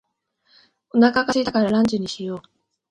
お腹が空いたからランチにしよう。